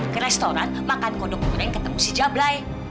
ke restoran makan kodok keren ketemu si jablay